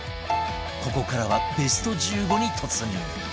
ここからはベスト１５に突入